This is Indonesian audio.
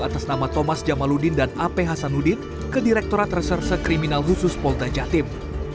atas nama thomas jamaludin dan ap hasanuddin ke direkturat reserse kriminal khusus polda jatim